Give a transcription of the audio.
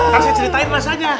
nanti saya ceritain rasanya